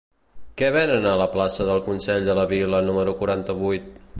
Què venen a la plaça del Consell de la Vila número quaranta-vuit?